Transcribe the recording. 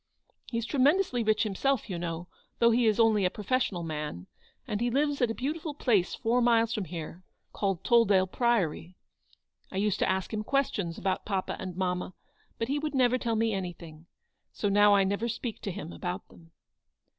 He's tremendously rich himself, you know, though he is only a pro fessional man, and he lives at a beautiful place four miles from here, called Tolldale Priory. I used to ask him questions about papa and mamma, but he would never tell me anything. So now I never speak to him about them."